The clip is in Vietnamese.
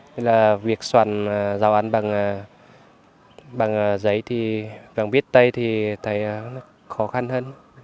nên là việc sàn giao án bằng giấy bằng viết tay thì thầy khó khăn hơn